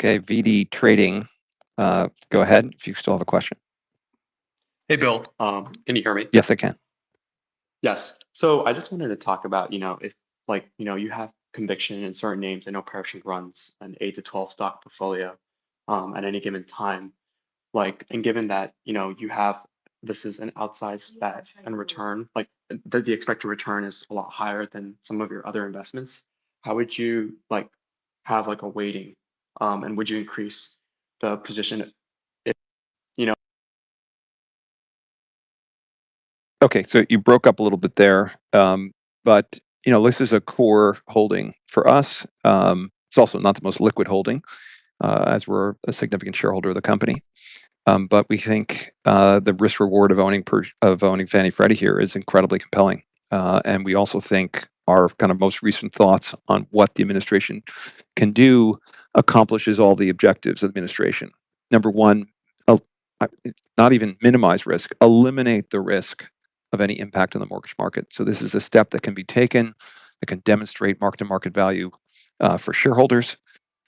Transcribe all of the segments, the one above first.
Okay, VD Trading. Go ahead if you still have a question. Hey, Bill. Can you hear me? Yes, I can. Yes. I just wanted to talk about, you know, if, like, you know, you have conviction in certain names. I know Pershing runs an 8 to 12 stock portfolio at any given time. Like, and given that, you know, you have this is an outsized bet and return, like, that the expected return is a lot higher than some of your other investments. How would you, like, have, like, a weighting, and would you increase the position if, you know? Okay, so you broke up a little bit there. But, you know, this is a core holding for us. It's also not the most liquid holding, as we're a significant shareholder of the company. But we think the risk-reward of owning Fannie Freddie here is incredibly compelling. And we also think our kind of most recent thoughts on what the administration can do accomplishes all the objectives of the administration. Number one, not even minimize risk, eliminate the risk of any impact on the mortgage market. This is a step that can be taken, that can demonstrate market-to-market value for shareholders,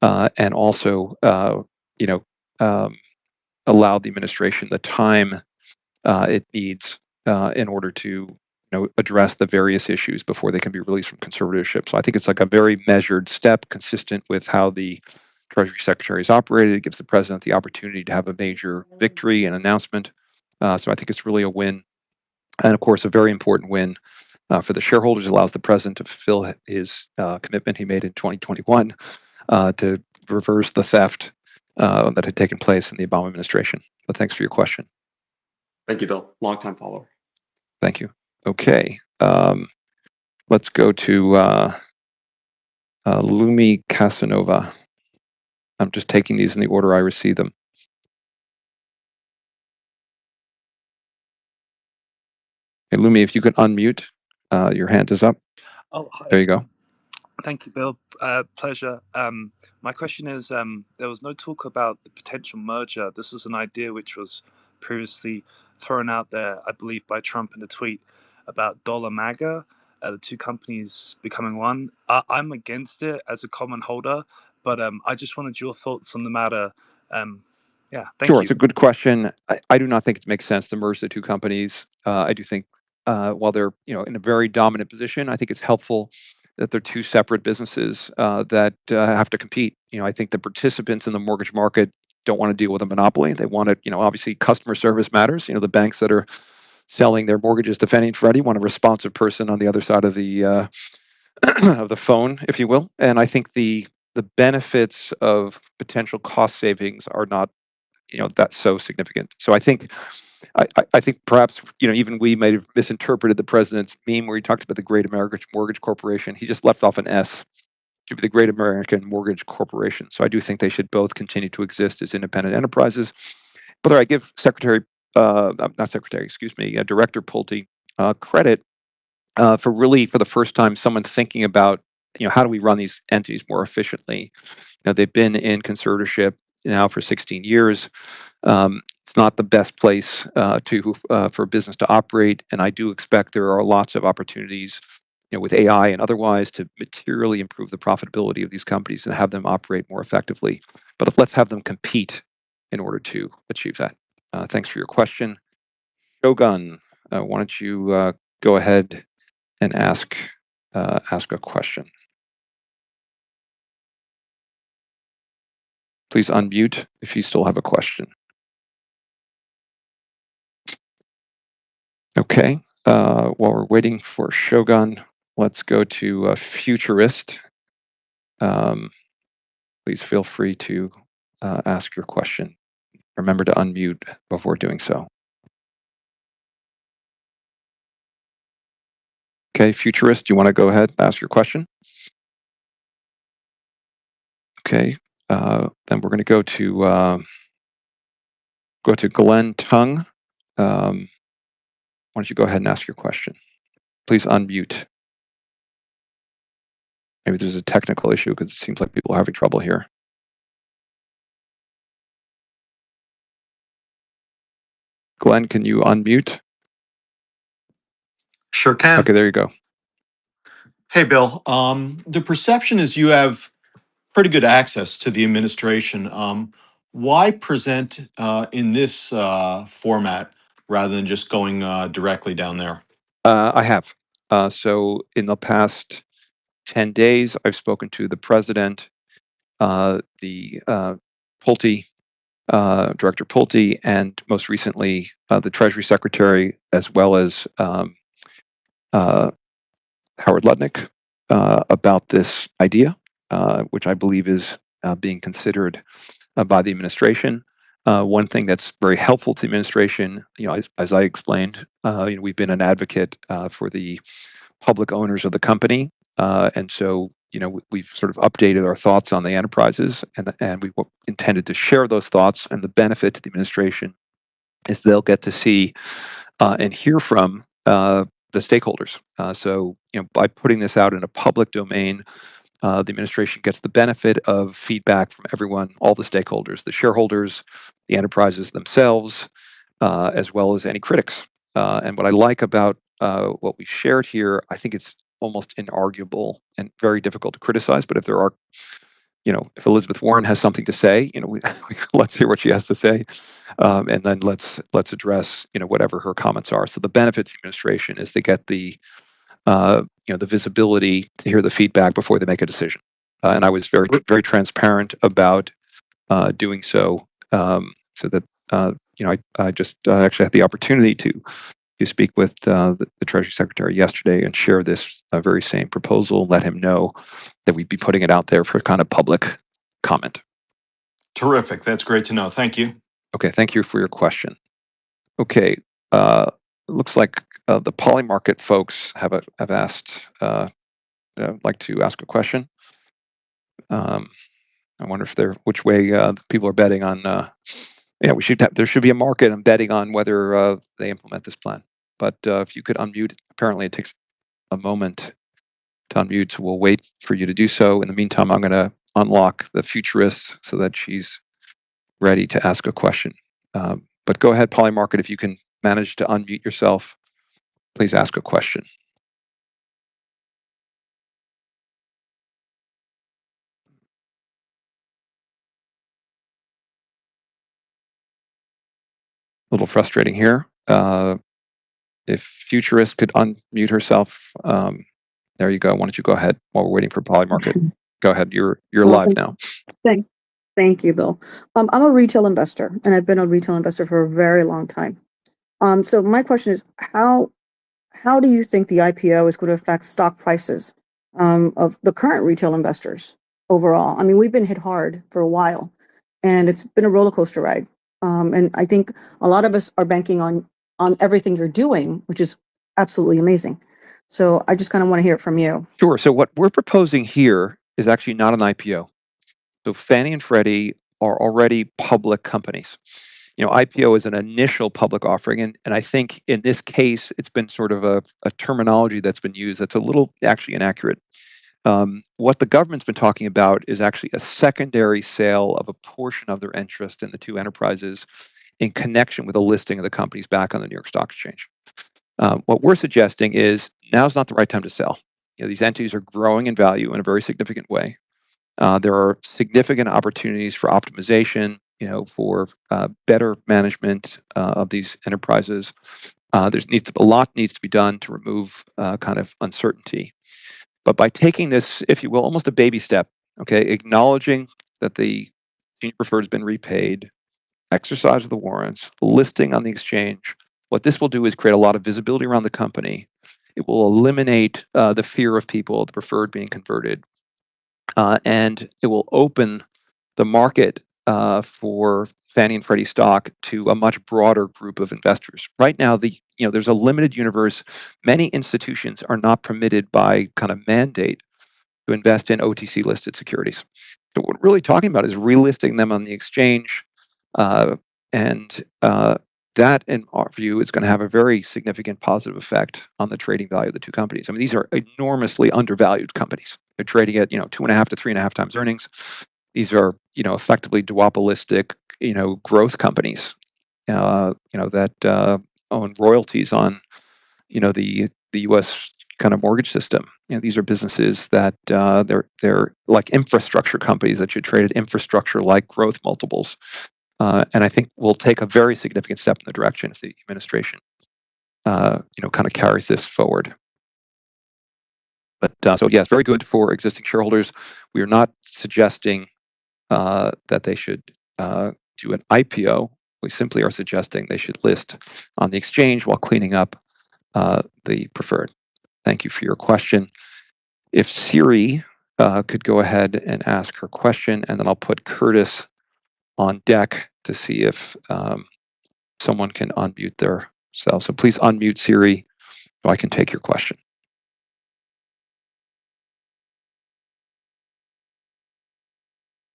and also, you know, allow the administration the time it needs in order to, you know, address the various issues before they can be released from conservatorship. I think it's like a very measured step consistent with how the Treasury Secretary has operated. It gives the President the opportunity to have a major victory and announcement. I think it's really a win. And, of course, a very important win for the shareholders. It allows the President to fulfill his commitment he made in 2021 to reverse the theft that had taken place in the Obama administration. Thanks for your question. Thank you, Bill. Long-time follower. Thank you. Okay. Let's go to Lumi Kassanova. I'm just taking these in the order I receive them. Hey, Lumi, if you could unmute, your hand is up. Oh, hi. There you go. Thank you, Bill. Pleasure. My question is, there was no talk about the potential merger. This was an idea which was previously thrown out there, I believe, by Trump in a tweet about Dollar Maga, the two companies becoming one. I'm against it as a common holder, but I just wanted your thoughts on the matter. Yeah, thank you. Sure. It's a good question. I do not think it makes sense to merge the two companies. I do think, while they're, you know, in a very dominant position, I think it's helpful that they're two separate businesses that have to compete. You know, I think the participants in the mortgage market don't want to deal with a monopoly. They want to, you know, obviously, customer service matters. You know, the banks that are selling their mortgages to Fannie and Freddie want a responsive person on the other side of the phone, if you will. I think the benefits of potential cost savings are not, you know, that so significant. I think perhaps, you know, even we may have misinterpreted the President's meme where he talked about the Great American Mortgage Corporation. He just left off an S to be the Great American Mortgage Corporation. I do think they should both continue to exist as independent enterprises. I give Director Pulte credit, for really, for the first time, someone thinking about, you know, how do we run these entities more efficiently. You know, they've been in conservatorship now for 16 years. It's not the best place for a business to operate. I do expect there are lots of opportunities, you know, with AI and otherwise to materially improve the profitability of these companies and have them operate more effectively. Let's have them compete in order to achieve that. Thanks for your question. Shogun, why don't you go ahead and ask a question. Please unmute if you still have a question. While we're waiting for Shogun, let's go to Futurist. Please feel free to ask your question. Remember to unmute before doing so. Okay, Futurist, do you want to go ahead and ask your question? Okay. Then we're going to go to Glenn Tung. Why don't you go ahead and ask your question. Please unmute. Maybe there's a technical issue because it seems like people are having trouble here. Glenn, can you unmute? Sure can. Okay, there you go. Hey, Bill. The perception is you have pretty good access to the administration. Why present, in this format rather than just going, directly down there? I have. In the past 10 days, I've spoken to the President, the, Pulte, Director Pulte, and most recently, the Treasury Secretary, as well as Howard Lutnick, about this idea, which I believe is being considered by the administration. One thing that's very helpful to the administration, you know, as I explained, you know, we've been an advocate for the public owners of the company. And so, you know, we've sort of updated our thoughts on the enterprises, and we intended to share those thoughts. The benefit to the administration is they'll get to see and hear from the stakeholders. You know, by putting this out in a public domain, the administration gets the benefit of feedback from everyone, all the stakeholders, the shareholders, the enterprises themselves, as well as any critics. What I like about what we shared here, I think it's almost inarguable and very difficult to criticize. If Elizabeth Warren has something to say, you know, let's hear what she has to say. Let's address whatever her comments are. The benefit to the administration is they get the visibility to hear the feedback before they make a decision. I was very, very transparent about doing so, so that, you know, I just actually had the opportunity to speak with the Treasury Secretary yesterday and share this very same proposal, let him know that we'd be putting it out there for kind of public comment. Terrific. That's great to know. Thank you. Okay. Thank you for your question. Okay. Looks like the Polymarket folks have asked, I'd like to ask a question. I wonder if they're, which way people are betting on, yeah, we should have, there should be a market and betting on whether they implement this plan. If you could unmute, apparently it takes a moment to unmute, so we'll wait for you to do so. In the meantime, I'm going to unlock the Futurist so that she's ready to ask a question. Go ahead, Polymarket, if you can manage to unmute yourself, please ask a question. A little frustrating here. If Futurist could unmute herself, there you go. Why don't you go ahead while we're waiting for Polymarket? Go ahead. You're live now. Thanks. Thank you, Bill. I'm a retail investor, and I've been a retail investor for a very long time. My question is, how do you think the IPO is going to affect stock prices of the current retail investors overall? I mean, we've been hit hard for a while, and it's been a roller coaster ride. I think a lot of us are banking on everything you're doing, which is absolutely amazing. I just kind of want to hear it from you. Sure. What we're proposing here is actually not an IPO. Fannie and Freddie are already public companies. You know, IPO is an initial public offering. I think in this case, it's been sort of a terminology that's been used that's a little actually inaccurate. What the government's been talking about is actually a secondary sale of a portion of their interest in the two enterprises in connection with a listing of the companies back on the New York Stock Exchange. What we're suggesting is now is not the right time to sell. You know, these entities are growing in value in a very significant way. There are significant opportunities for optimization, you know, for better management of these enterprises. There's needs, a lot needs to be done to remove, kind of uncertainty. By taking this, if you will, almost a baby step, okay, acknowledging that the senior preferred has been repaid, exercise of the warrants, listing on the exchange, what this will do is create a lot of visibility around the company. It will eliminate the fear of people, the preferred being converted, and it will open the market for Fannie and Freddie stock to a much broader group of investors. Right now, you know, there's a limited universe. Many institutions are not permitted by kind of mandate to invest in OTC listed securities. What we're really talking about is relisting them on the exchange, and that, in our view, is going to have a very significant positive effect on the trading value of the two companies. I mean, these are enormously undervalued companies. They're trading at, you know, two and a half to three and a half times earnings. These are, you know, effectively duopolistic, you know, growth companies, you know, that own royalties on, you know, the, the U.S. kind of mortgage system. You know, these are businesses that, they're, they're like infrastructure companies that should trade at infrastructure-like growth multiples. I think we'll take a very significant step in the direction if the administration, you know, kind of carries this forward. Yeah, it's very good for existing shareholders. We are not suggesting that they should do an IPO. We simply are suggesting they should list on the exchange while cleaning up the preferred. Thank you for your question. If Siri could go ahead and ask her question, and then I'll put Curtis on deck to see if someone can unmute theirself. Please unmute Siri so I can take your question.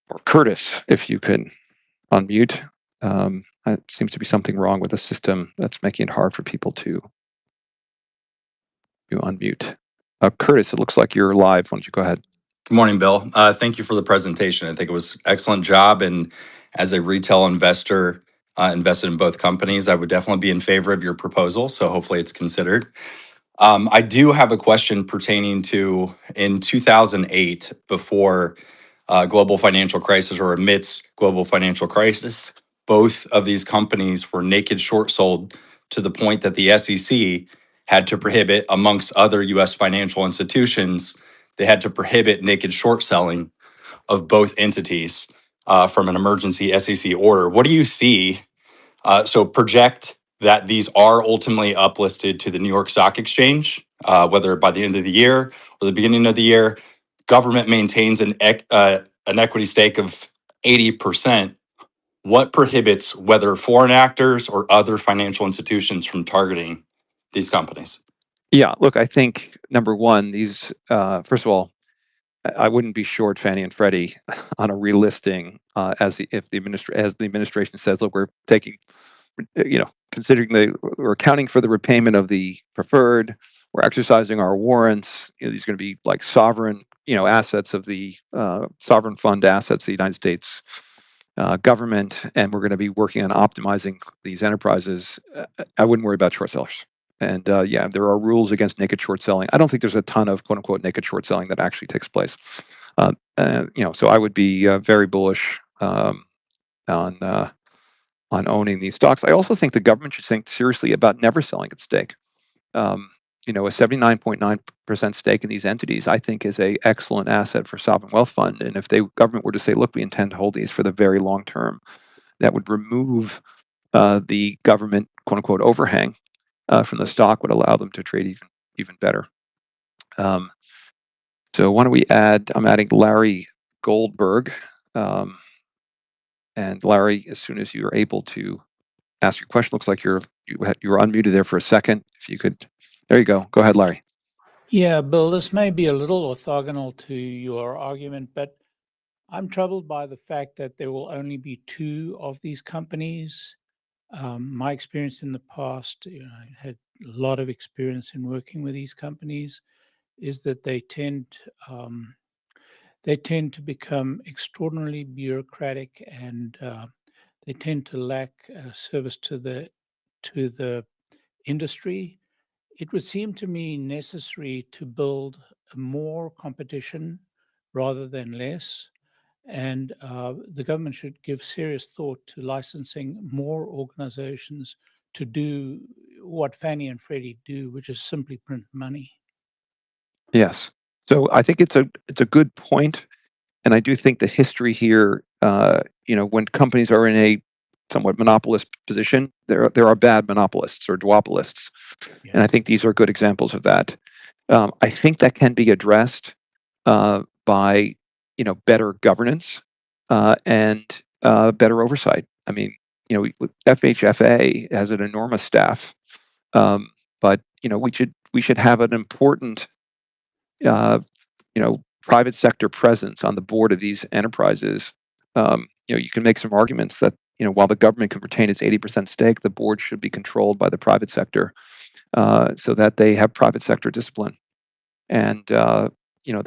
Or Curtis, if you can unmute. It seems to be something wrong with the system that's making it hard for people to unmute. Curtis, it looks like you're live. Why don't you go ahead? Good morning, Bill. Thank you for the presentation. I think it was an excellent job. As a retail investor, invested in both companies, I would definitely be in favor of your proposal. Hopefully it's considered. I do have a question pertaining to, in 2008, before the global financial crisis or amidst the global financial crisis, both of these companies were naked short sold to the point that the SEC had to prohibit, amongst other U.S. financial institutions, they had to prohibit naked short selling of both entities from an emergency SEC order. What do you see, project that these are ultimately uplisted to the New York Stock Exchange, whether by the end of the year or the beginning of the year, government maintains an equity stake of 80%. What prohibits whether foreign actors or other financial institutions from targeting these companies? Yeah, look, I think number one, these, first of all, I wouldn't be short Fannie and Freddie on a relisting, as the, if the administration, as the administration says, look, we're taking, you know, considering the, we're accounting for the repayment of the preferred. We're exercising our warrants. You know, these are going to be like sovereign, you know, assets of the, sovereign fund assets, the United States, government. And we're going to be working on optimizing these enterprises. I wouldn't worry about short sellers. Yeah, there are rules against naked short selling. I don't think there's a ton of quote unquote naked short selling that actually takes place. You know, so I would be very bullish, on, on owning these stocks. I also think the government should think seriously about never selling its stake. You know, a 79.9% stake in these entities, I think, is an excellent asset for a sovereign wealth fund. If the government were to say, look, we intend to hold these for the very long term, that would remove the government quote unquote overhang from the stock, would allow them to trade even, even better. Why don't we add, I'm adding Larry Goldberg. Larry, as soon as you are able to ask your question, looks like you had, you were unmuted there for a second. If you could, there you go. Go ahead, Larry. Yeah, Bill, this may be a little orthogonal to your argument, but I'm troubled by the fact that there will only be two of these companies. My experience in the past, you know, I had a lot of experience in working with these companies, is that they tend, they tend to become extraordinarily bureaucratic and, they tend to lack, service to the, to the industry. It would seem to me necessary to build more competition rather than less. The government should give serious thought to licensing more organizations to do what Fannie and Freddie do, which is simply print money. Yes. I think it's a good point. I do think the history here, you know, when companies are in a somewhat monopolist position, there are bad monopolists or duopolists. I think these are good examples of that. I think that can be addressed by, you know, better governance and better oversight. I mean, you know, FHFA has an enormous staff, but, you know, we should have an important, you know, private sector presence on the board of these enterprises. You know, you can make some arguments that, you know, while the government can retain its 80% stake, the board should be controlled by the private sector so that they have private sector discipline. You know,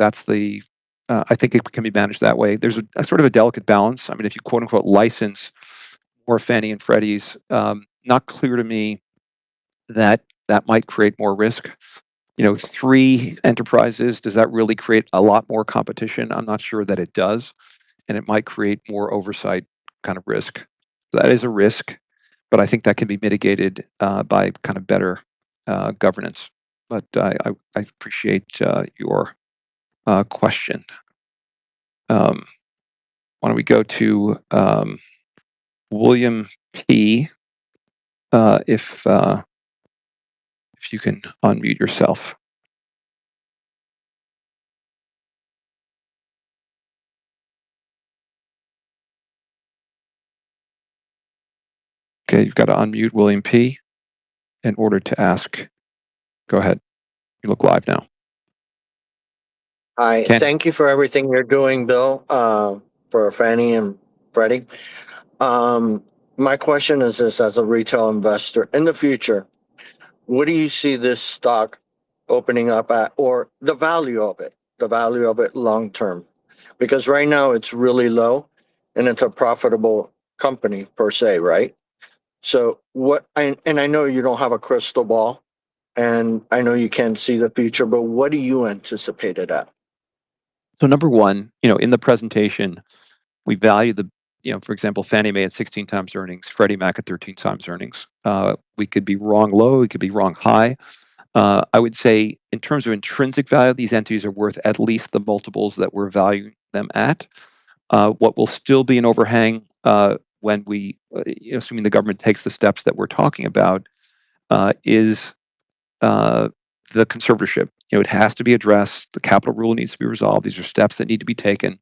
I think it can be managed that way. There's a sort of a delicate balance. I mean, if you quote unquote license more Fannie and Freddie's, not clear to me that that might create more risk. You know, three enterprises, does that really create a lot more competition? I'm not sure that it does. It might create more oversight kind of risk. That is a risk, but I think that can be mitigated by kind of better governance. I appreciate your question. Why don't we go to William P., if you can unmute yourself. Okay. You've got to unmute William P. in order to ask. Go ahead. You look live now. Hi. Thank you for everything you're doing, Bill, for Fannie and Freddie. My question is this, as a retail investor in the future, what do you see this stock opening up at or the value of it, the value of it long term? Because right now it's really low and it's a profitable company per se, right? What, and I know you don't have a crystal ball and I know you can't see the future, but what do you anticipate it at? Number one, you know, in the presentation, we value the, you know, for example, Fannie Mae at 16x earnings, Freddie Mac at 13 times earnings. We could be wrong low, we could be wrong high. I would say in terms of intrinsic value, these entities are worth at least the multiples that we're valuing them at. What will still be an overhang, when we, assuming the government takes the steps that we're talking about, is the conservatorship. You know, it has to be addressed. The capital rule needs to be resolved. These are steps that need to be taken.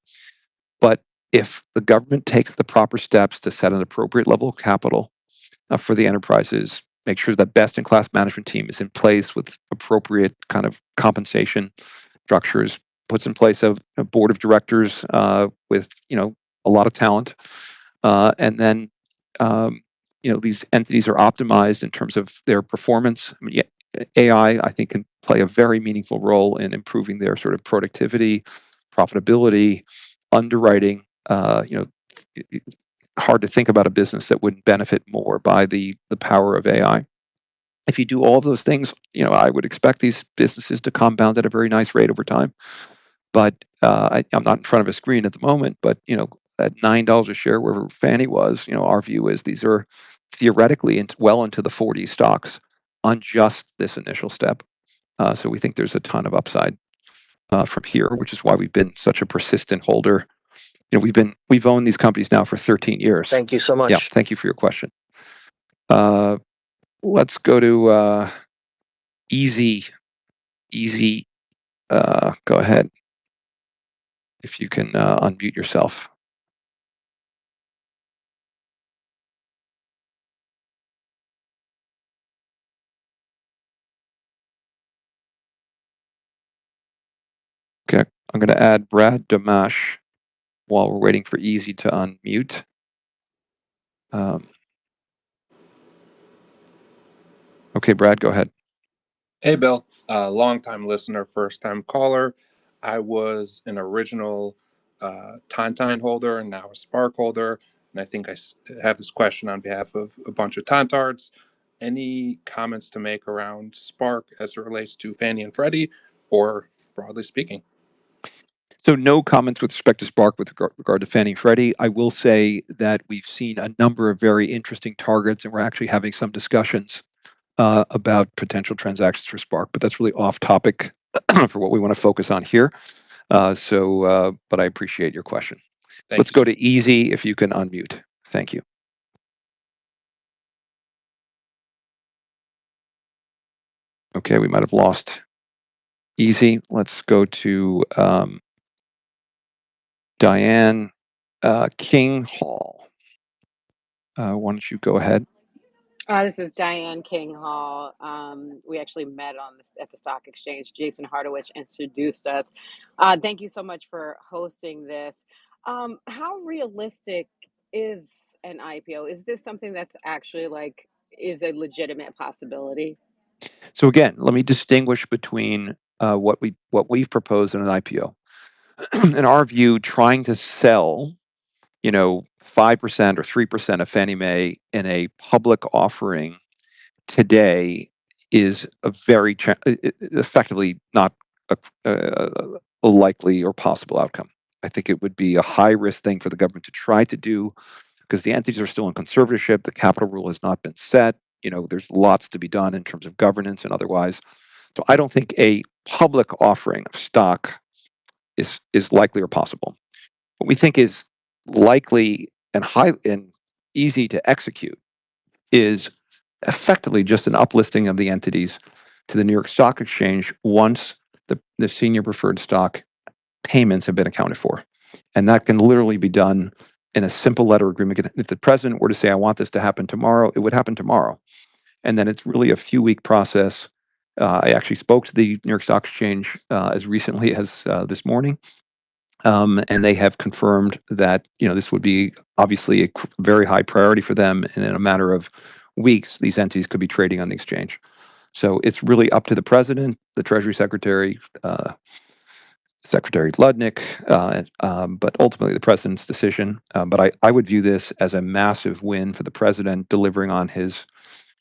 If the government takes the proper steps to set an appropriate level of capital for the enterprises, make sure that best in class management team is in place with appropriate kind of compensation structures, puts in place a board of directors, with, you know, a lot of talent, and then, you know, these entities are optimized in terms of their performance. I mean, AI, I think, can play a very meaningful role in improving their sort of productivity, profitability, underwriting, you know, hard to think about a business that would not benefit more by the power of AI. If you do all those things, you know, I would expect these businesses to compound at a very nice rate over time. I'm not in front of a screen at the moment, but, you know, at $9 a share where Fannie was, you know, our view is these are theoretically well into the 40 stocks on just this initial step. We think there's a ton of upside from here, which is why we've been such a persistent holder. You know, we've owned these companies now for 13 years. Thank you so much. Yeah, thank you for your question. Let's go to easy, easy, go ahead. If you can, unmute yourself. Okay. I'm going to add Brad Damasch while we're waiting for easy to unmute. Okay, Brad, go ahead. Hey, Bill. Longtime listener, first time caller. I was an original Tonton holder and now a Spark holder. I think I have this question on behalf of a bunch of Tontards. Any comments to make around Spark as it relates to Fannie and Freddie or broadly speaking? No comments with respect to Spark with regard to Fannie and Freddie. I will say that we've seen a number of very interesting targets and we're actually having some discussions about potential transactions for Spark, but that's really off topic for what we want to focus on here. I appreciate your question. Thank you. Let's go to easy, if you can unmute. Thank you. Okay. We might have lost easy. Let's go to Diane King Hall. Why don't you go ahead? This is Diane King Hall. We actually met on this, at the stock exchange. Jason Kalamboussis introduced us. Thank you so much for hosting this. How realistic is an IPO? Is this something that's actually like, is a legitimate possibility? Let me distinguish between what we, what we've proposed in an IPO. In our view, trying to sell, you know, 5% or 3% of Fannie Mae in a public offering today is very effectively not a likely or possible outcome. I think it would be a high-risk thing for the government to try to do because the entities are still in conservatorship. The capital rule has not been set. You know, there's lots to be done in terms of governance and otherwise. I don't think a public offering of stock is likely or possible. What we think is likely and high and easy to execute is effectively just an uplisting of the entities to the New York Stock Exchange once the senior preferred stock payments have been accounted for. That can literally be done in a simple letter of agreement. If the president were to say, I want this to happen tomorrow, it would happen tomorrow. It is really a few week process. I actually spoke to the New York Stock Exchange as recently as this morning, and they have confirmed that, you know, this would be obviously a very high priority for them. In a matter of weeks, these entities could be trading on the exchange. It is really up to the president, the Treasury Secretary, Secretary Lutnick, but ultimately the president's decision. I would view this as a massive win for the president delivering on his,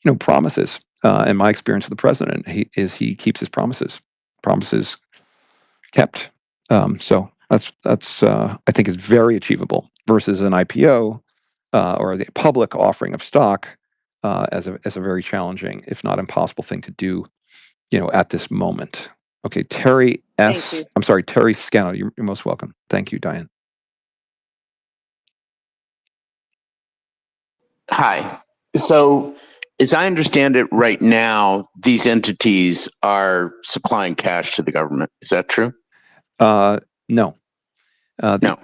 you know, promises. In my experience with the president, he is, he keeps his promises, promises kept. That's, that's, I think is very achievable versus an IPO, or the public offering of stock, as a, as a very challenging, if not impossible thing to do, you know, at this moment. Okay. Terry S., I'm sorry, Terry Scanner, you're most welcome. Thank you, Diane. Hi. As I understand it right now, these entities are supplying cash to the government. Is that true? no. No.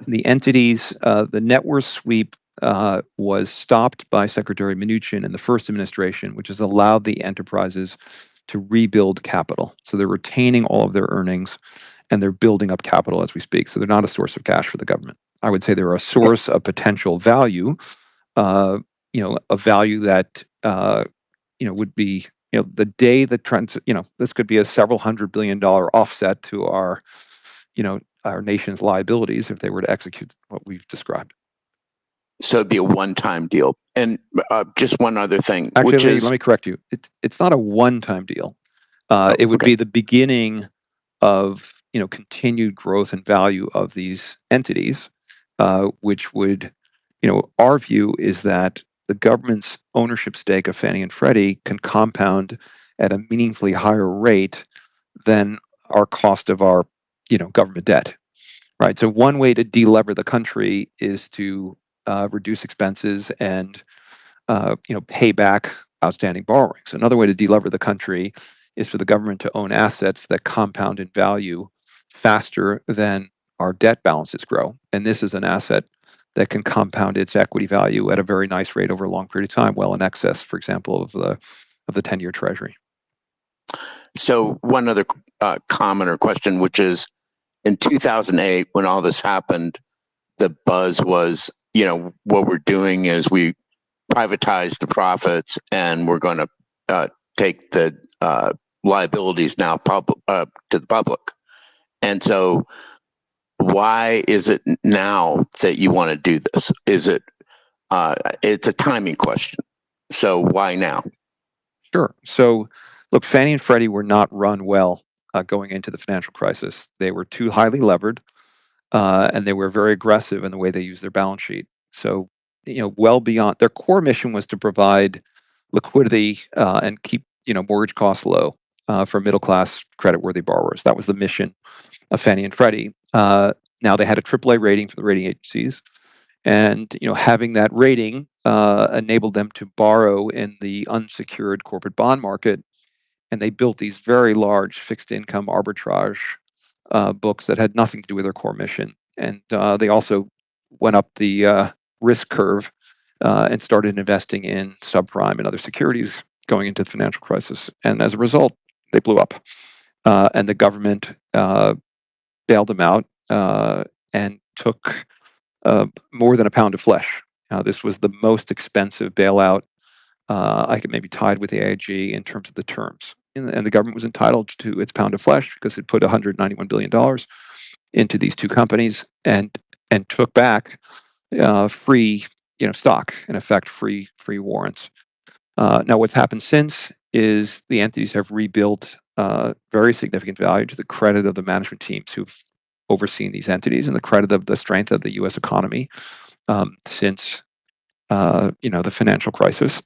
The entities, the net worth sweep, was stopped by Secretary Mnuchin in the first administration, which has allowed the enterprises to rebuild capital. They're retaining all of their earnings and they're building up capital as we speak. They're not a source of cash for the government. I would say they're a source of potential value, you know, a value that, you know, would be, you know, the day that trends, you know, this could be a several hundred billion dollar offset to our, you know, our nation's liabilities if they were to execute what we've described. It'd be a one-time deal. Just one other thing, which is. Actually, let me correct you. It's not a one-time deal. It would be the beginning of, you know, continued growth and value of these entities, which would, you know, our view is that the government's ownership stake of Fannie and Freddie can compound at a meaningfully higher rate than our cost of our, you know, government debt. Right? One way to delever the country is to reduce expenses and, you know, pay back outstanding borrowings. Another way to delever the country is for the government to own assets that compound in value faster than our debt balances grow. This is an asset that can compound its equity value at a very nice rate over a long period of time, well in excess, for example, of the 10-year treasury. One other comment or question, which is in 2008, when all this happened, the buzz was, you know, what we're doing is we privatize the profits and we're going to take the liabilities now public, to the public. Why is it now that you want to do this? Is it, it's a timing question. Why now? Sure. So look, Fannie and Freddie were not run well, going into the financial crisis. They were too highly levered, and they were very aggressive in the way they used their balance sheet. You know, well beyond their core mission was to provide liquidity, and keep, you know, mortgage costs low, for middle-class credit-worthy borrowers. That was the mission of Fannie and Freddie. Now they had a AAA rating from the rating agencies. You know, having that rating enabled them to borrow in the unsecured corporate bond market. They built these very large fixed income arbitrage books that had nothing to do with their core mission. They also went up the risk curve, and started investing in subprime and other securities going into the financial crisis. As a result, they blew up. and the government, bailed them out, and took, more than a pound of flesh. This was the most expensive bailout, I can maybe tied with AIG in terms of the terms. The government was entitled to its pound of flesh because it put $191 billion into these two companies and, and took back, free, you know, stock in effect, free, free warrants. Now what's happened since is the entities have rebuilt, very significant value to the credit of the management teams who've overseen these entities and the credit of the strength of the U.S. economy, since, you know, the financial crisis.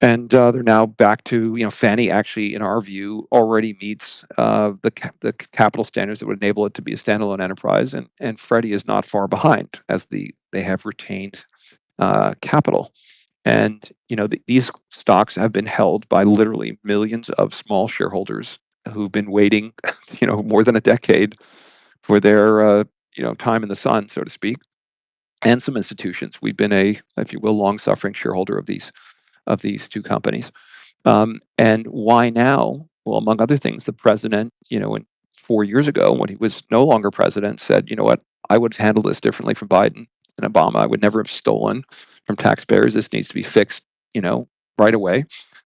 They're now back to, you know, Fannie actually in our view already meets, the, the capital standards that would enable it to be a standalone enterprise. Freddie is not far behind as they, they have retained, capital. You know, these stocks have been held by literally millions of small shareholders who've been waiting, you know, more than a decade for their, you know, time in the sun, so to speak. Some institutions, we've been a, if you will, long-suffering shareholder of these, of these two companies. Why now? Among other things, the president, you know, four years ago, when he was no longer president, said, you know what, I would have handled this differently from Biden and Obama. I would never have stolen from taxpayers. This needs to be fixed, you know, right away.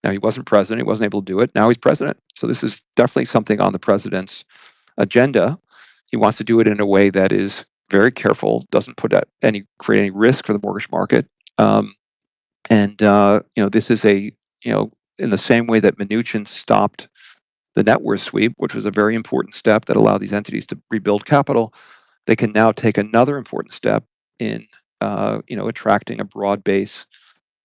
He wasn't president. He wasn't able to do it. Now he's president. This is definitely something on the president's agenda. He wants to do it in a way that is very careful, doesn't create any risk for the mortgage market. And, you know, this is a, you know, in the same way that Mnuchin stopped the net worth sweep, which was a very important step that allowed these entities to rebuild capital, they can now take another important step in, you know, attracting a broad base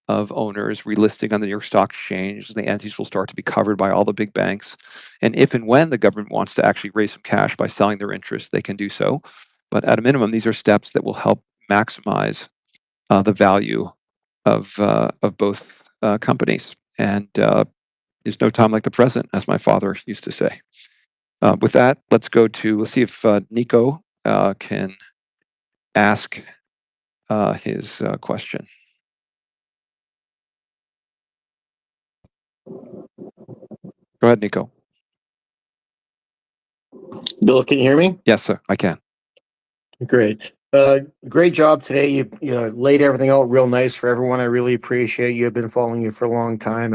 of owners, relisting on the New York Stock Exchange, and the entities will start to be covered by all the big banks. If and when the government wants to actually raise some cash by selling their interest, they can do so. At a minimum, these are steps that will help maximize the value of both companies. There's no time like the present, as my father used to say. With that, let's go to, let's see if Nico can ask his question. Go ahead, Nico. Bill, can you hear me? Yes, sir. I can. Great. Great job today. You, you know, laid everything out real nice for everyone. I really appreciate you have been following you for a long time.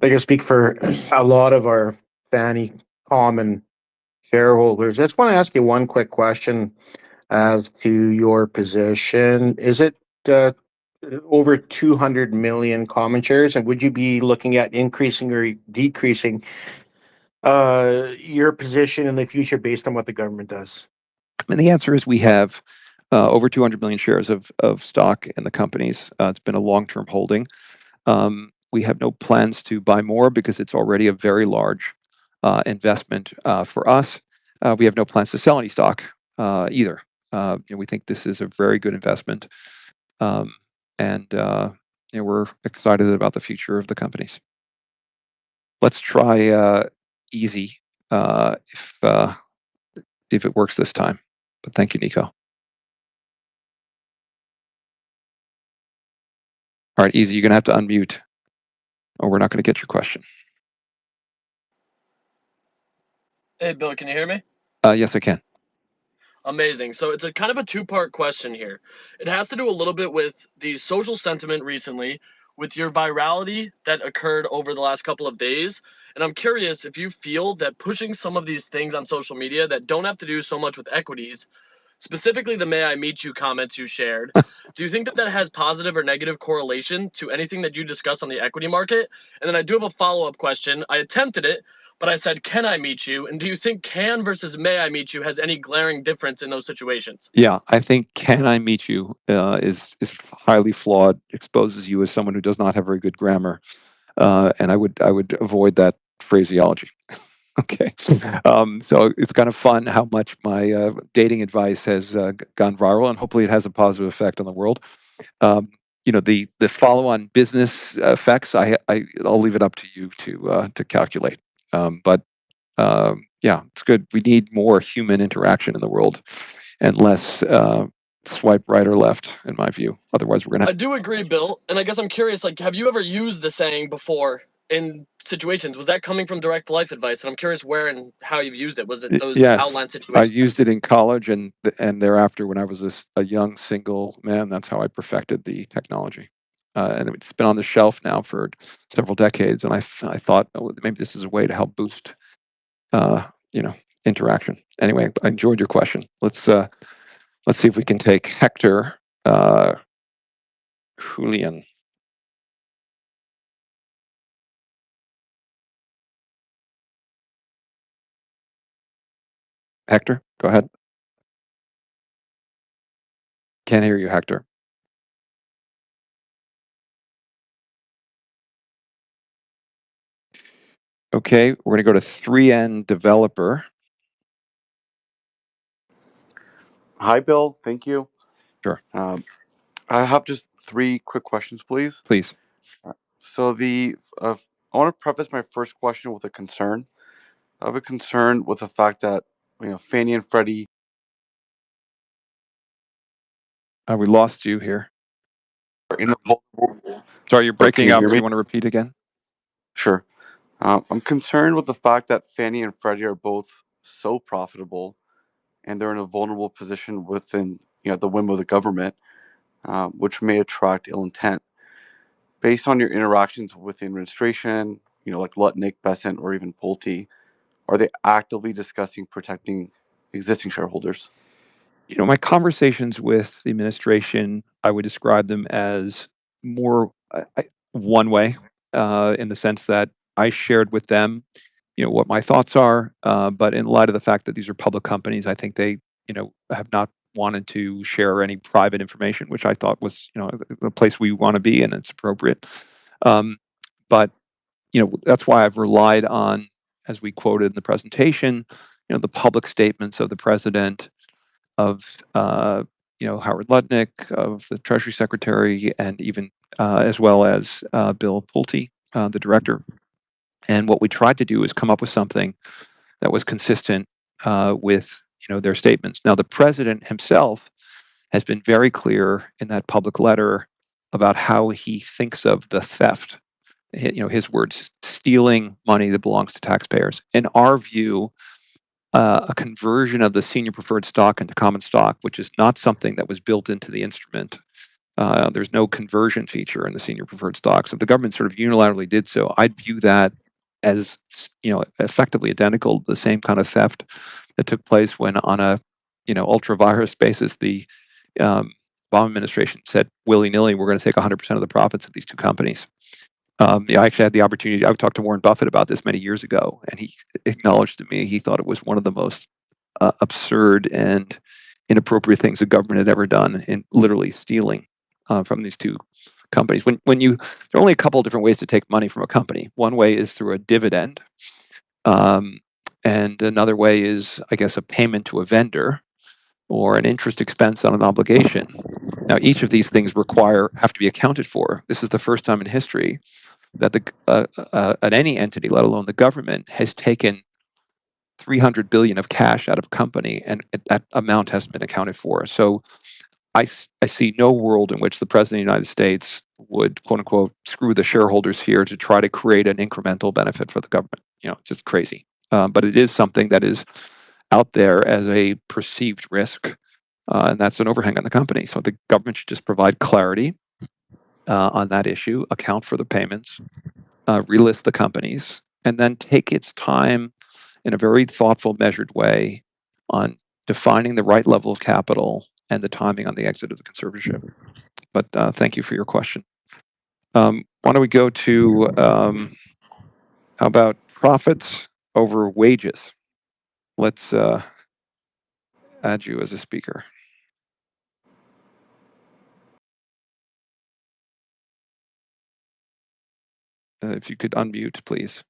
I can speak for a lot of our Fannie common shareholders. I just want to ask you one quick question as to your position. Is it over 200 million common shares? Would you be looking at increasing or decreasing your position in the future based on what the government does? I mean, the answer is we have over 200 million shares of stock in the companies. It's been a long-term holding. We have no plans to buy more because it's already a very large investment for us. We have no plans to sell any stock, either. You know, we think this is a very good investment. And, you know, we're excited about the future of the companies. Let's try, Easy, if it works this time. But thank you, Nico. All right, Easy. You're going to have to unmute or we're not going to get your question. Hey, Bill, can you hear me? Yes, I can. Amazing. It is a kind of a two-part question here. It has to do a little bit with the social sentiment recently with your virality that occurred over the last couple of days. I am curious if you feel that pushing some of these things on social media that do not have to do so much with equities, specifically the may I meet you comments you shared, do you think that that has positive or negative correlation to anything that you discuss on the equity market? I do have a follow-up question. I attempted it, but I said, can I meet you? Do you think can versus may I meet you has any glaring difference in those situations? Yeah, I think "can I meet you" is highly flawed, exposes you as someone who does not have very good grammar. I would avoid that phraseology. Okay. It's kind of fun how much my dating advice has gone viral and hopefully it has a positive effect on the world. You know, the follow-on business effects, I'll leave it up to you to calculate. Yeah, it's good. We need more human interaction in the world and less swipe right or left in my view. Otherwise, we're going to have. I do agree, Bill. I guess I'm curious, like, have you ever used the saying before in situations? Was that coming from direct life advice? I'm curious where and how you've used it. Was it those outline situations? Yes, I used it in college and thereafter when I was a young single man, that's how I perfected the technology. And it's been on the shelf now for several decades. I thought maybe this is a way to help boost, you know, interaction. Anyway, I enjoyed your question. Let's see if we can take Hector, Julian. Hector, go ahead. Can't hear you, Hector. Okay. We're going to go to 3N Developer. Hi, Bill. Thank you. Sure. I have just three quick questions, please. Please. I want to preface my first question with a concern, of a concern with the fact that, you know, Fannie and Freddie. We lost you here. Sorry, you're breaking up. Can you hear me? Do you want to repeat again? Sure. I'm concerned with the fact that Fannie and Freddie are both so profitable and they're in a vulnerable position within, you know, the whim of the government, which may attract ill intent. Based on your interactions with the administration, you know, like Lutnick, Bessent, or even Pulte, are they actively discussing protecting existing shareholders? You know, my conversations with the administration, I would describe them as more one way, in the sense that I shared with them, you know, what my thoughts are. In light of the fact that these are public companies, I think they, you know, have not wanted to share any private information, which I thought was, you know, the place we want to be and it's appropriate. You know, that's why I've relied on, as we quoted in the presentation, you know, the public statements of the president, of, you know, Howard Lutnick, of the Treasury Secretary, and even, as well as, Bill Pulte, the Director. What we tried to do is come up with something that was consistent, with, you know, their statements. Now, the president himself has been very clear in that public letter about how he thinks of the theft, you know, his words, stealing money that belongs to taxpayers. In our view, a conversion of the senior preferred stock into common stock, which is not something that was built into the instrument. There's no conversion feature in the senior preferred stock. So the government sort of unilaterally did so. I'd view that as, you know, effectively identical, the same kind of theft that took place when on a, you know, ultra vires basis, the Obama administration said willy-nilly, we're going to take 100% of the profits of these two companies. I actually had the opportunity, I've talked to Warren Buffett about this many years ago, and he acknowledged to me he thought it was one of the most absurd and inappropriate things the government had ever done in literally stealing from these two companies. When you, there are only a couple of different ways to take money from a company. One way is through a dividend, and another way is, I guess, a payment to a vendor or an interest expense on an obligation. Now, each of these things require, have to be accounted for. This is the first time in history that the, at any entity, let alone the government, has taken $300 billion of cash out of a company and that amount has been accounted for. I see no world in which the president of the United States would, quote unquote, screw the shareholders here to try to create an incremental benefit for the government. You know, it's just crazy. It is something that is out there as a perceived risk, and that's an overhang on the company. The government should just provide clarity on that issue, account for the payments, relist the companies, and then take its time in a very thoughtful, measured way on defining the right level of capital and the timing on the exit of the conservatorship. Thank you for your question. Why don't we go to, how about profits over wages? Let's add you as a speaker. If you could unmute, please.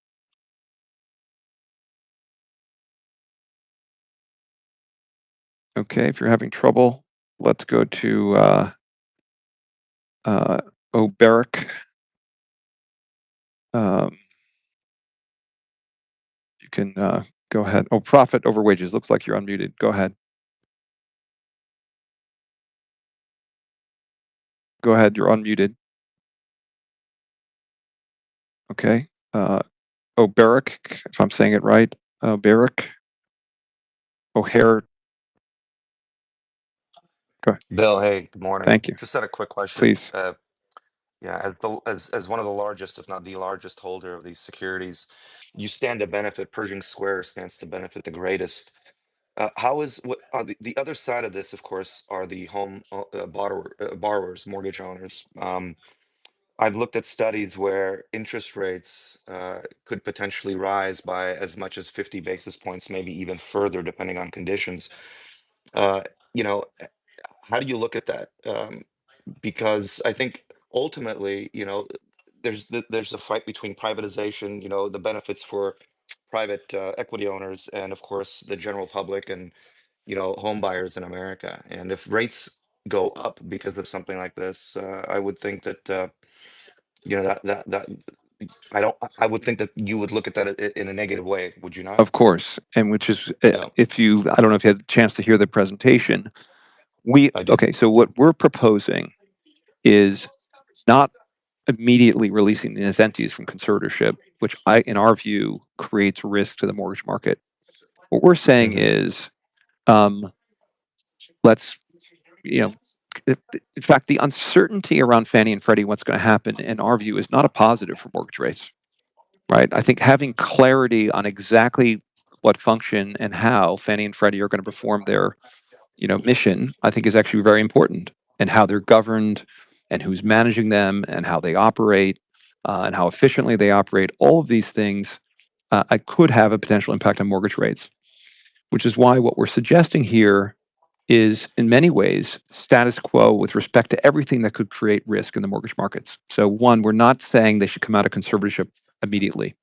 Okay. If you're having trouble, let's go to O Barack. You can go ahead. Oh, profit over wages. Looks like you're unmuted. Go ahead. Go ahead. You're unmuted. Okay. O Barack, if I'm saying it right, O Barack, O'Hare. Go ahead. Bill, hey, good morning. Thank you. Just had a quick question. Please. Yeah, as one of the largest, if not the largest holder of these securities, you stand to benefit. Pershing Square stands to benefit the greatest. How is, what, on the other side of this, of course, are the home borrowers, mortgage owners. I've looked at studies where interest rates could potentially rise by as much as 50 basis points, maybe even further depending on conditions. You know, how do you look at that? Because I think ultimately, you know, there's a fight between privatization, you know, the benefits for private equity owners and of course the general public and, you know, home buyers in America. If rates go up because of something like this, I would think that, you know, that, that, I don't, I would think that you would look at that in a negative way, would you not? Of course. If you, I don't know if you had the chance to hear the presentation. We, okay, so what we're proposing is not immediately releasing these entities from conservatorship, which I, in our view, creates risk to the mortgage market. What we're saying is, let's, you know, in fact, the uncertainty around Fannie and Freddie, what's going to happen in our view is not a positive for mortgage rates, right? I think having clarity on exactly what function and how Fannie and Freddie are going to perform their, you know, mission, I think is actually very important and how they're governed and who's managing them and how they operate, and how efficiently they operate, all of these things, I could have a potential impact on mortgage rates, which is why what we're suggesting here is in many ways status quo with respect to everything that could create risk in the mortgage markets. One, we're not saying they should come out of conservatorship immediately.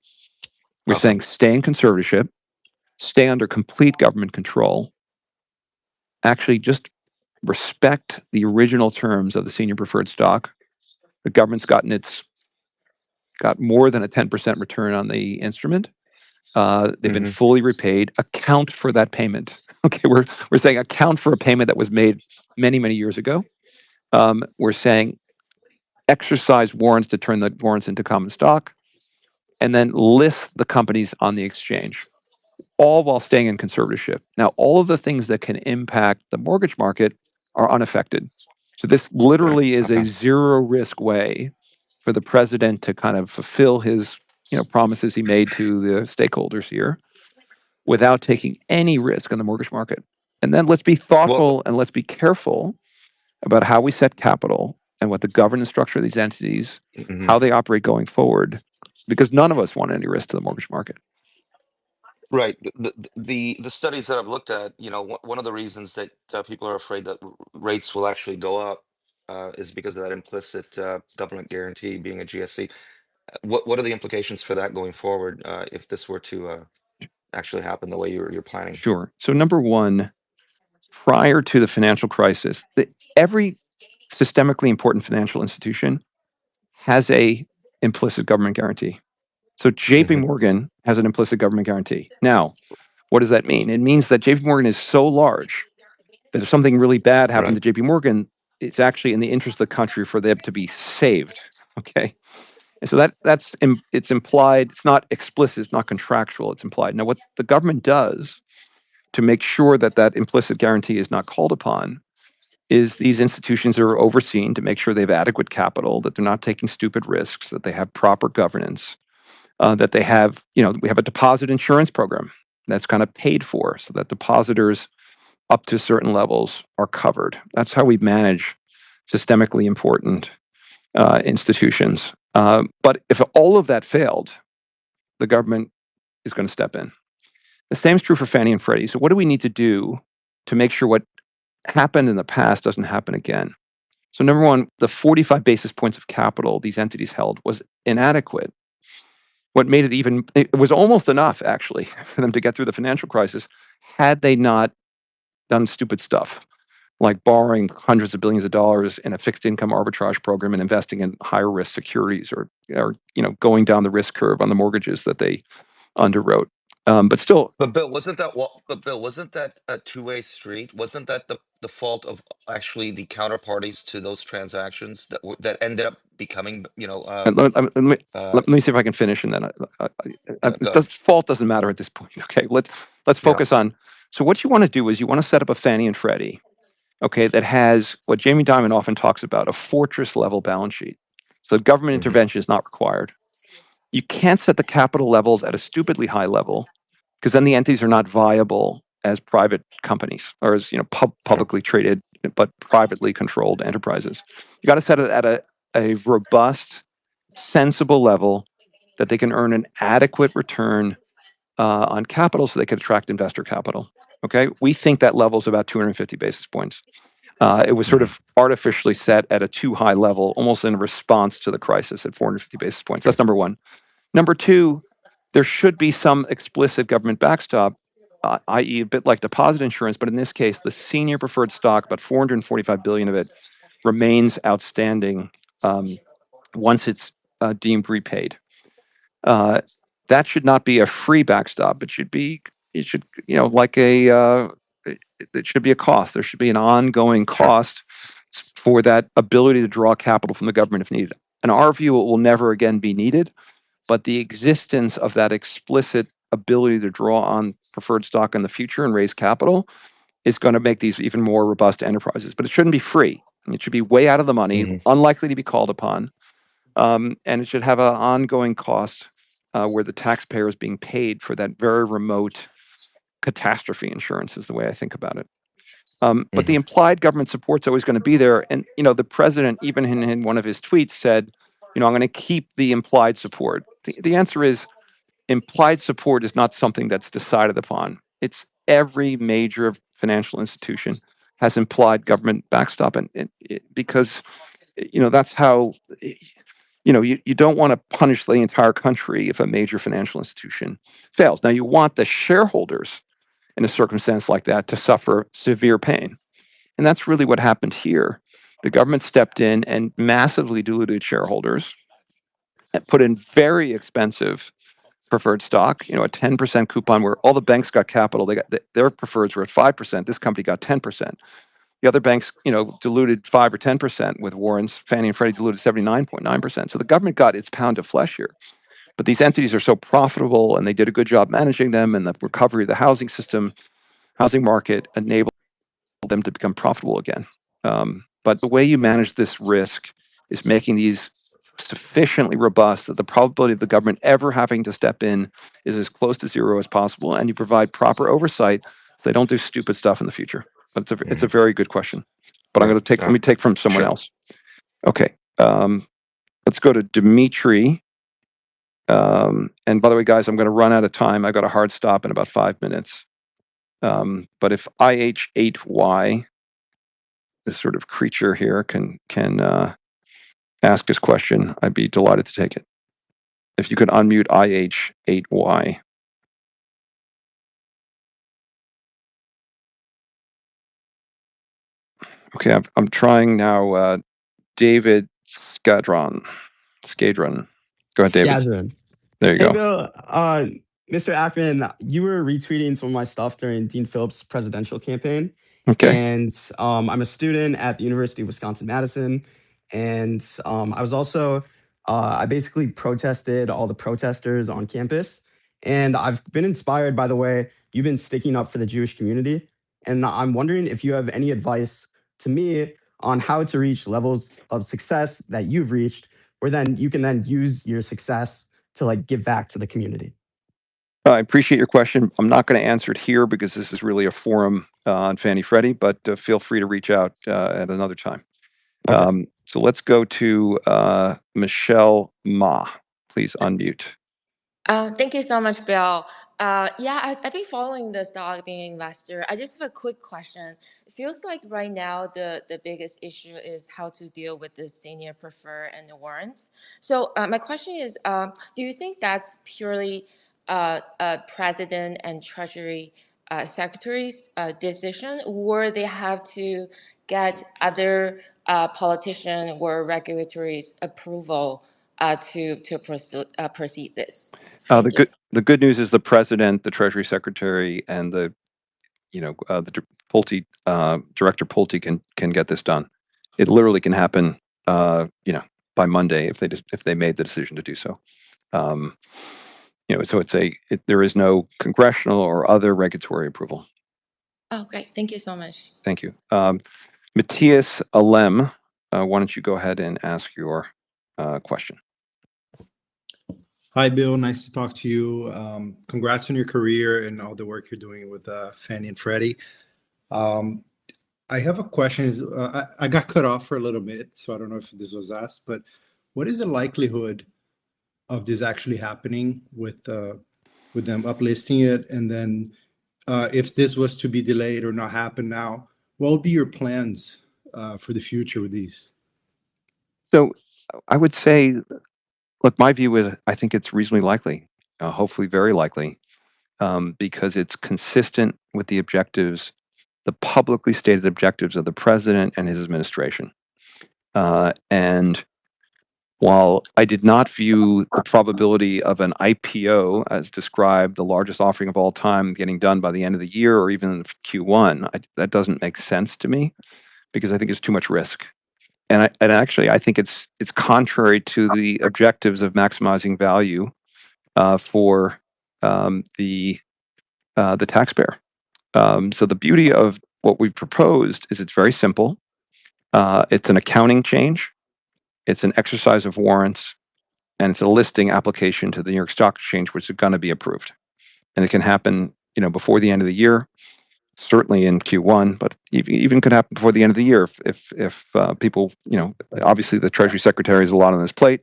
We're saying stay in conservatorship, stay under complete government control, actually just respect the original terms of the senior preferred stock. The government's gotten its, got more than a 10% return on the instrument. They've been fully repaid. Account for that payment. Okay. We're saying account for a payment that was made many, many years ago. We're saying exercise warrants to turn the warrants into common stock and then list the companies on the exchange, all while staying in conservatorship. Now, all of the things that can impact the mortgage market are unaffected. This literally is a zero risk way for the president to kind of fulfill his, you know, promises he made to the stakeholders here without taking any risk on the mortgage market. Let's be thoughtful and let's be careful about how we set capital and what the governance structure of these entities, how they operate going forward, because none of us want any risk to the mortgage market. Right. The studies that I've looked at, you know, one of the reasons that people are afraid that rates will actually go up is because of that implicit government guarantee being a GSE. What are the implications for that going forward, if this were to actually happen the way you're planning? Sure. Number one, prior to the financial crisis, every systemically important financial institution has an implicit government guarantee. JPMorgan has an implicit government guarantee. Now, what does that mean? It means that JPMorgan is so large that if something really bad happened to JPMorgan, it's actually in the interest of the country for them to be saved. Okay. That, that's, it's implied, it's not explicit, it's not contractual, it's implied. Now, what the government does to make sure that that implicit guarantee is not called upon is these institutions are overseen to make sure they have adequate capital, that they're not taking stupid risks, that they have proper governance, that they have, you know, we have a deposit insurance program that's kind of paid for so that depositors up to certain levels are covered. That's how we manage systemically important institutions. If all of that failed, the government is going to step in. The same is true for Fannie and Freddie. What do we need to do to make sure what happened in the past does not happen again? Number one, the 45 basis points of capital these entities held was inadequate. What made it even, it was almost enough actually for them to get through the financial crisis had they not done stupid stuff like borrowing hundreds of billions of dollars in a fixed income arbitrage program and investing in higher risk securities or, you know, going down the risk curve on the mortgages that they underwrote. Still. Bill, wasn't that a two-way street? Wasn't that the fault of actually the counterparties to those transactions that ended up becoming, you know, Let me see if I can finish and then I, the fault doesn't matter at this point. Okay. Let's focus on, so what you want to do is you want to set up a Fannie and Freddie, okay, that has what Jamie Dimon often talks about, a fortress level balance sheet. Government intervention is not required. You can't set the capital levels at a stupidly high level because then the entities are not viable as private companies or as, you know, publicly traded, but privately controlled enterprises. You got to set it at a robust, sensible level that they can earn an adequate return on capital so they can attract investor capital. Okay. We think that level is about 250 basis points. It was sort of artificially set at a too high level, almost in response to the crisis at 450 basis points. That's number one. Number two, there should be some explicit government backstop, i.e., a bit like deposit insurance, but in this case, the senior preferred stock, about $445 billion of it, remains outstanding, once it's deemed repaid. That should not be a free backstop, it should be, it should, you know, like a, it should be a cost. There should be an ongoing cost for that ability to draw capital from the government if needed. In our view, it will never again be needed, but the existence of that explicit ability to draw on preferred stock in the future and raise capital is going to make these even more robust enterprises, but it shouldn't be free. It should be way out of the money, unlikely to be called upon. It should have an ongoing cost, where the taxpayer is being paid for that very remote catastrophe insurance is the way I think about it. The implied government support is always going to be there. You know, the president, even in one of his tweets said, you know, I'm going to keep the implied support. The answer is implied support is not something that's decided upon. Every major financial institution has implied government backstop and because, you know, that's how, you know, you don't want to punish the entire country if a major financial institution fails. You want the shareholders in a circumstance like that to suffer severe pain. That's really what happened here. The government stepped in and massively diluted shareholders and put in very expensive preferred stock, you know, a 10% coupon where all the banks got capital. Their preferreds were at 5%. This company got 10%. The other banks, you know, diluted 5% or 10% with warrants. Fannie and Freddie diluted 79.9%. The government got its pound of flesh here, but these entities are so profitable and they did a good job managing them and the recovery of the housing system, housing market enabled them to become profitable again. The way you manage this risk is making these sufficiently robust that the probability of the government ever having to step in is as close to zero as possible. You provide proper oversight so they do not do stupid stuff in the future. It is a very good question, but I am going to take, let me take from someone else. Okay. Let's go to Dimitri. By the way, guys, I am going to run out of time. I got a hard stop in about five minutes. If IH8Y, this sort of creature here, can ask this question, I'd be delighted to take it. If you could unmute IH8Y. Okay. I'm trying now, David Skadron. Skadron. Go ahead, David. Skadron. There you go. Hey Bill, Mr. Ackman, you were retweeting some of my stuff during Dean Phillips' presidential campaign. Okay. I'm a student at the University of Wisconsin-Madison. I was also, I basically protested all the protesters on campus. I've been inspired by the way you've been sticking up for the Jewish community. I'm wondering if you have any advice to me on how to reach levels of success that you've reached where then you can then use your success to like give back to the community. I appreciate your question. I'm not going to answer it here because this is really a forum on Fannie Freddie, but feel free to reach out at another time. Let's go to Michelle Ma. Please unmute. Thank you so much, Bill. Yeah, I've been following this, dog being investor. I just have a quick question. It feels like right now the biggest issue is how to deal with the senior preferred and the warrants. So, my question is, do you think that's purely president and Treasury Secretary's decision or they have to get other politicians or regulators' approval to proceed, proceed this? The good news is the President, the Treasury Secretary and the, you know, Director Pulte can, can get this done. It literally can happen, you know, by Monday if they just, if they made the decision to do so. You know, so it's a, there is no congressional or other regulatory approval. Oh, great. Thank you so much. Thank you. Matthias Alem, why don't you go ahead and ask your question? Hi Bill, nice to talk to you. Congrats on your career and all the work you're doing with Fannie and Freddie. I have a question. I got cut off for a little bit, so I don't know if this was asked, but what is the likelihood of this actually happening with them uplifting it? If this was to be delayed or not happen now, what would be your plans for the future with these? I would say, look, my view is I think it's reasonably likely, hopefully very likely, because it's consistent with the objectives, the publicly stated objectives of the president and his administration. While I did not view the probability of an IPO as described, the largest offering of all time, getting done by the end of the year or even Q1, that doesn't make sense to me because I think it's too much risk. I, and actually I think it's contrary to the objectives of maximizing value for the taxpayer. The beauty of what we've proposed is it's very simple. It's an accounting change. It's an exercise of warrants. It's a listing application to the New York Stock Exchange, which is going to be approved. It can happen, you know, before the end of the year, certainly in Q1, but even could happen before the end of the year if people, you know, obviously the Treasury Secretary has a lot on his plate,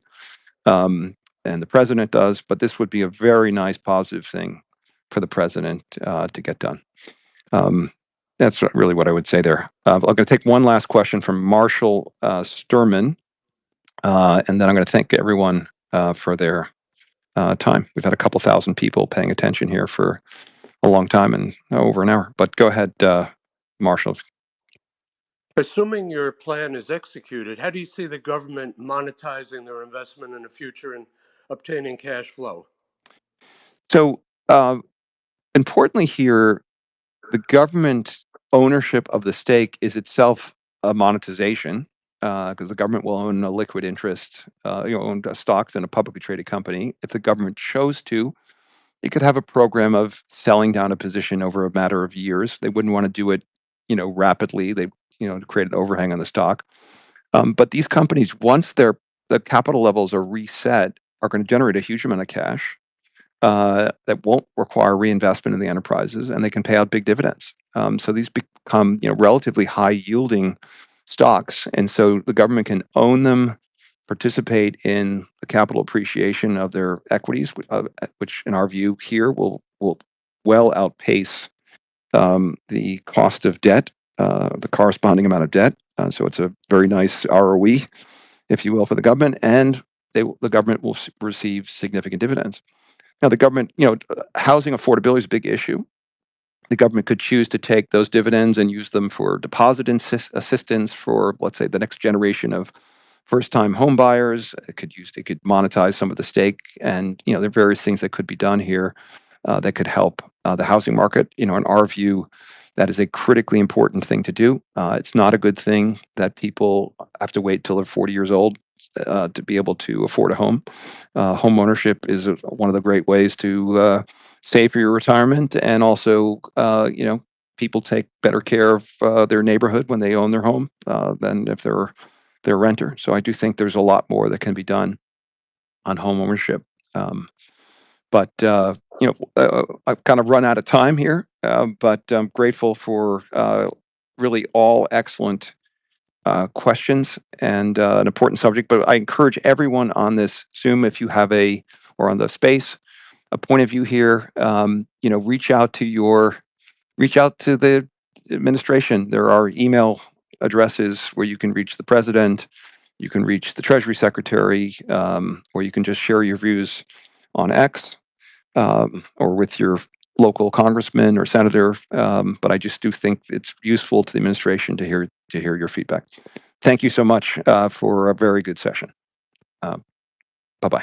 and the President does, but this would be a very nice positive thing for the President to get done. That's really what I would say there. I'm going to take one last question from Marshall Sterman, and then I'm going to thank everyone for their time. We've had a couple thousand people paying attention here for a long time and over an hour, but go ahead, Marshall. Assuming your plan is executed, how do you see the government monetizing their investment in the future and obtaining cash flow? Importantly here, the government ownership of the stake is itself a monetization, because the government will own a liquid interest, you know, own stocks in a publicly traded company. If the government chose to, it could have a program of selling down a position over a matter of years. They would not want to do it, you know, rapidly. They, you know, create an overhang on the stock. These companies, once their capital levels are reset, are going to generate a huge amount of cash, that will not require reinvestment in the enterprises and they can pay out big dividends. These become, you know, relatively high yielding stocks. The government can own them, participate in the capital appreciation of their equities, which in our view here will, will well outpace the cost of debt, the corresponding amount of debt. It is a very nice ROE, if you will, for the government. And they, the government will receive significant dividends. Now, the government, you know, housing affordability is a big issue. The government could choose to take those dividends and use them for deposit assistance for, let's say, the next generation of first-time home buyers. It could use, they could monetize some of the stake and, you know, there are various things that could be done here, that could help, the housing market. You know, in our view, that is a critically important thing to do. It is not a good thing that people have to wait until they're 40 years old, to be able to afford a home. Home ownership is one of the great ways to, save for your retirement. You know, people take better care of their neighborhood when they own their home than if they're their renter. I do think there's a lot more that can be done on home ownership. You know, I've kind of run out of time here, but I'm grateful for really all excellent questions and an important subject. I encourage everyone on this Zoom, if you have a, or on the space, a point of view here, you know, reach out to your, reach out to the administration. There are email addresses where you can reach the president, you can reach the treasury secretary, or you can just share your views on X, or with your local congressman or senator. I just do think it's useful to the administration to hear your feedback. Thank you so much for a very good session. Bye-bye.